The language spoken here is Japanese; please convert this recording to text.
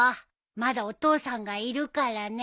まだお父さんがいるからね。